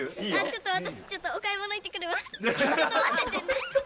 ちょっとまっててね。